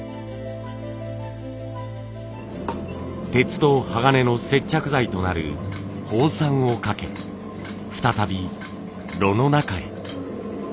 鉄と鋼の接着剤となるホウ酸をかけ再び炉の中へ。